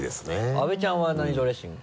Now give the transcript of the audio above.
阿部ちゃんは何ドレッシング？